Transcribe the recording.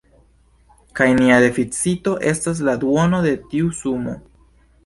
Kaj nia deficito estas la duono de tiu sumo.